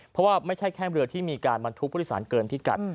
เพราะว่าไม่ใช่แค่เรือที่มีการบรรทุกผู้โดยสารเกินพิกัด